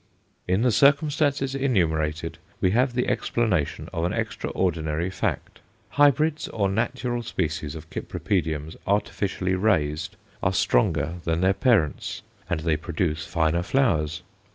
In the circumstances enumerated we have the explanation of an extraordinary fact. Hybrids or natural species of Cypripediums artificially raised are stronger than their parents, and they produce finer flowers.